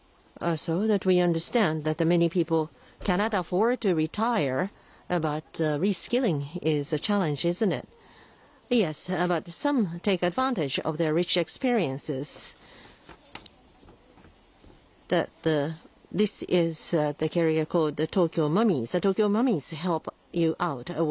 そうですよね。